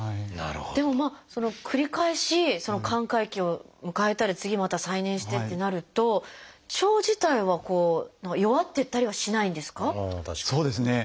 でも繰り返し寛解期を迎えたり次また再燃してってなると腸自体はこう弱ってったりはしないんですか？